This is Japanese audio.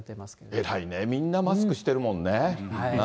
偉いね、みんなマスクしてるもんね。